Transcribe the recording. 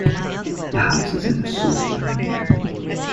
The houses in a soi are numbered.